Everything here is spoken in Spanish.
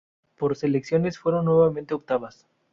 Por selecciones fueron nuevamente octavas.